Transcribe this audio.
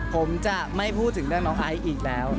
ผมจะไม่พูดถึงเรื่องน้องไอซ์อีกแล้ว